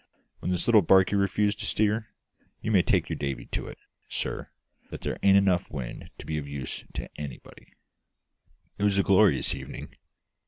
When this little barkie refuses to steer, you may take your Davy to it, sir, that there ain't enough wind to be of any use to anybody." It was a glorious evening.